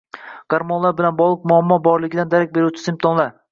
Gormonlar bilan bog‘liq muammo borligidan darak beruvchi simptomlar